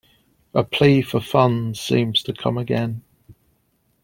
A plea for funds seems to come again.